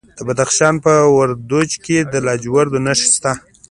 د بدخشان په وردوج کې د لاجوردو نښې شته.